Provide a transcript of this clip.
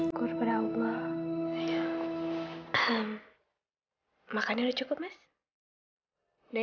kamunya di sini